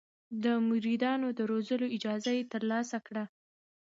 د مریدانو د روزلو اجازه یې ترلاسه کړه.